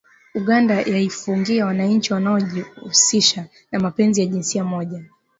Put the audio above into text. Uganda yaifungia wananchi wanaojihusisha na mapenzi ya jinsia moja